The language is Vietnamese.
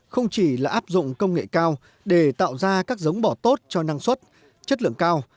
không chỉ là áp dụng công nghệ cao để tạo ra các giống bỏ tốt cho năng suất chất lượng cao